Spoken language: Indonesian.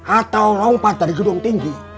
atau lompat dari gedung tinggi